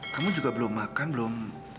kamu juga belum makan belum